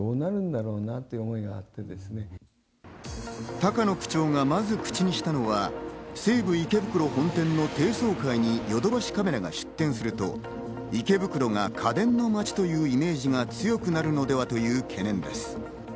高野区長がまず口にしたのが、西武池袋本店の低層階にヨドバシカメラが出店すると、池袋が家電の街というイメージが強くなるのではという懸念です。